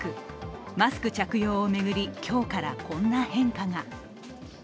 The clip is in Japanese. マスク着用を巡り、今日からこんな変化が。